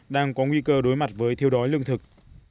đang có nguy cơ đối mặt với thiêu đói lương thực